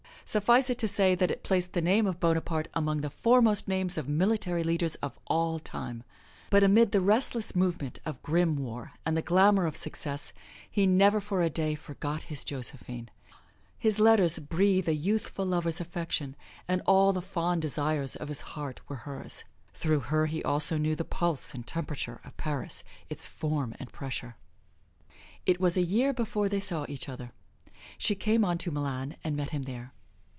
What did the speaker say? Suffice it to say that it placed the name of Bonaparte among the foremost names of military leaders of all time. But amid the restless movement of grim war and the glamour of success he never for a day forgot his Josephine. His letters breathe a youthful lover's affection, and all the fond desires of his heart were hers. Through her he also knew the pulse and temperature of Paris its form and pressure. It was a year before they saw each other. She came on to Milan and met him there.